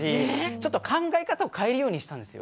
ちょっと考え方を変えるようにしたんですよ。